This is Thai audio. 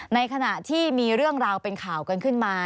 ในขณะที่มีเรื่องราวเป็นข่าวกันขึ้นมา